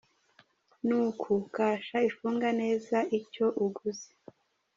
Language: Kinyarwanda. Ni uku Kasha ifunga neza icyo uguze.